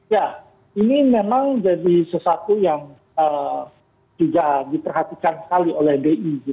ya ini memang jadi sesuatu yang tidak diperhatikan sekali oleh bei gitu ya